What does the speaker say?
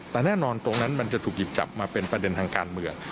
แต่แน่นอนตรงนั้นมันจะถูกหยิบจับมาเป็นประเด็นทางการเมือง